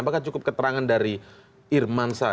apakah cukup keterangan dari irman saja